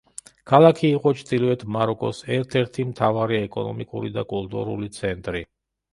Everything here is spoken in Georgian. ქალაქი იყო ჩრდილოეთ მაროკოს ერთ-ერთი მთავარი ეკონომიკური და კულტურული ცენტრი.